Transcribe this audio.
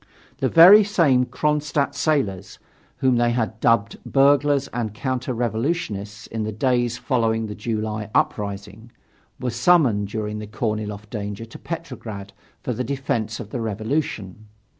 The very same Kronstadt sailors whom they had dubbed burglars and counter revolutionists in the days following the July uprising were summoned during the Korniloff danger to Petrograd for the defence of the revolution.